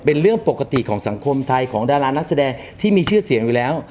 เป็นเรื่องปกติของสังคมไทยของดารานักแสดงที่มีชื่อเสียงอยู่แล้ว